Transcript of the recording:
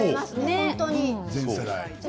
本当に。